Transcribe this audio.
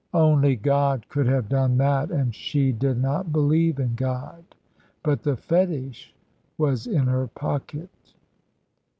Only God could have done that, and she did not believe in God. But the fetish was in her pocket.